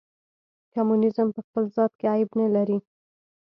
کمونیزم په خپل ذات کې عیب نه لري.